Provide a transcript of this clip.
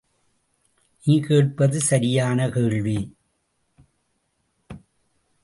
நீ கேட்பது சரியான கேள்வி!